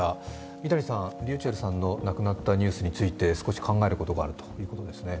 三谷さん、ｒｙｕｃｈｅｌｌさんの亡くなったニュースについて少し考えることがあるということですね。